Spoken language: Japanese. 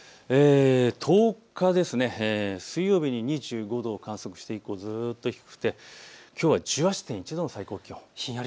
１０日水曜日、２５度を観測して以来、ずっと低くてきょうは１８．１度の最高気温。